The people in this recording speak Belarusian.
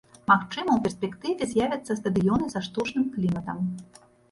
Магчыма, у перспектыве з'явяцца стадыёны са штучным кліматам.